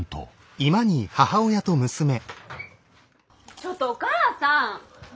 ちょっとお母さん！